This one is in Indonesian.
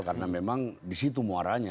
karena memang disitu muaranya